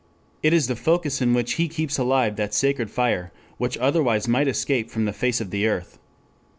It is the focus in which He keeps alive that sacred fire, which otherwise might escape from the face of the earth.